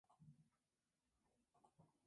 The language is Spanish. La tormenta se disipó rápidamente sobre tierra.